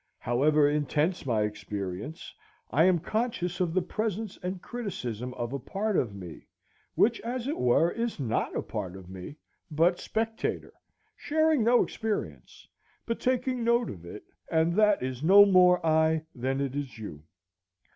However intense my experience, I am conscious of the presence and criticism of a part of me, which, as it were, is not a part of me, but spectator, sharing no experience, but taking note of it; and that is no more I than it is you.